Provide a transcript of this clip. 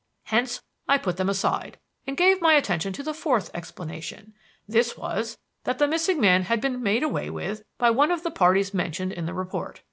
Hence I put them aside and gave my attention to the fourth explanation. This was that the missing man had been made away with by one of the parties mentioned in the report.